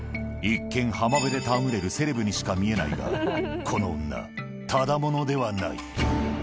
一見、浜辺で戯れるセレブにしか見えないが、この女、ただ者ではない。